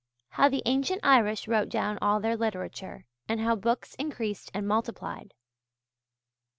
HOW THE ANCIENT IRISH WROTE DOWN ALL THEIR LITERATURE, AND HOW BOOKS INCREASED AND MULTIPLIED.